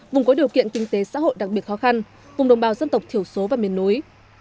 vùng có điều kiện kinh tế xã hội đặc biệt khó khăn vùng đồng bào dân tộc thiểu số và miền núi